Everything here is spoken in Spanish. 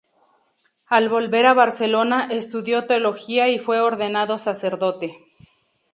Al volver a Barcelona, estudió Teología y fue ordenado sacerdote.